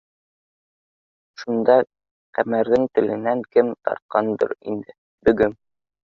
Шунда Ҡәмәрҙең теленән кем тартҡандыр инде, бөгөм